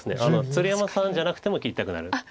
鶴山さんじゃなくても切りたくなる。